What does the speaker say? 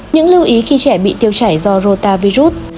những lưu ý khi trẻ bị tiêu chảy do rota virus